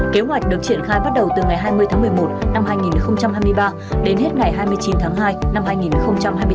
kế hoạch được triển khai bắt đầu từ ngày hai mươi tháng một mươi một năm hai nghìn hai mươi ba đến hết ngày hai mươi chín tháng hai năm hai nghìn hai mươi bốn